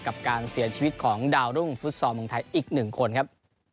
กับการเสียชีวิตของดาวรุ่งฟุตซอลเมืองไทยอีกหนึ่งคนครับ